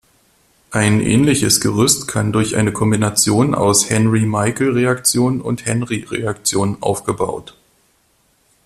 Ein ähnliches Gerüst kann durch eine Kombination aus Henry-Michael-Reaktion und Henry-Reaktion aufgebaut.